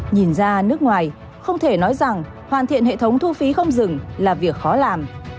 nhìn ra nước ngoài không thể nói rằng hoàn thiện hệ thống thu phí không dừng là việc khó làm